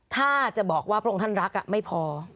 ถ้าจะบอกว่าพระองค์ท่านรักไม่พอ